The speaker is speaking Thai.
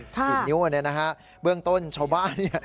สิ่งนิ่วอันนี้นะฮะเบื้องต้นชาวบ้านนี่